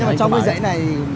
nhưng mà trong cái dãy này